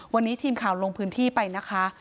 วันนี้ทีมข่าวลงพื้นที่ไปนะคะ